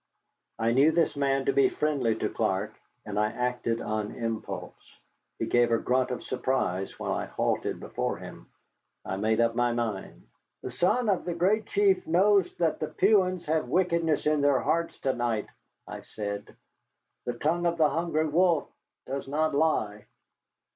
I knew this man to be friendly to Clark, and I acted on impulse. He gave a grunt of surprise when I halted before him. I made up my mind. "The son of the Great Chief knows that the Puans have wickedness in their hearts to night," I said; "the tongue of the Hungry Wolf does not lie."